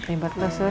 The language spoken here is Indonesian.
limbat lu sur